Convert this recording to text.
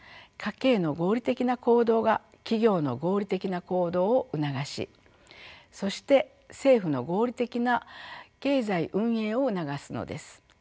家計の合理的な行動が企業の合理的な行動を促しそして政府の合理的な経済運営を促すのです。